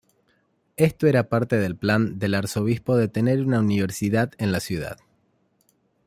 Esto era parte del plan del arzobispo de tener una universidad en la ciudad.